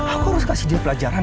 aku harus kasih dia pelajaran